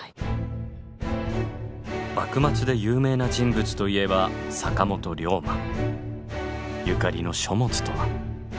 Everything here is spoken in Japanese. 幕末で有名な人物といえばゆかりの書物とは？